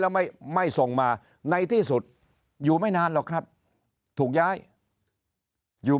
แล้วไม่ไม่ส่งมาในที่สุดอยู่ไม่นานหรอกครับถูกย้ายอยู่